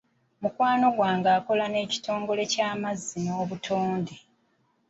Mukwano gwange akola n'ekitongole ky'amazzi n'obutonde.